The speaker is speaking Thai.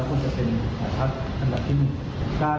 ยังต้องเป็นคนของเก้าไก่เอ่อเราก็ยังเท่าไหร่อยู่นะครับว่าโดยหลักการ